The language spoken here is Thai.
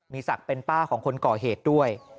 มีศักดิ์เป็นป้าของคนก่อเหตุด้วย